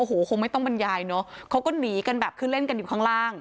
โอ้โหคงไม่ต้องบรรยายเนอะเขาก็หนีกันแบบคือเล่นกันอยู่ข้างล่าง